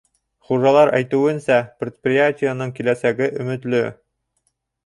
Хужалар әйтеүенсә, предприятиеның киләсәге өмөтлө.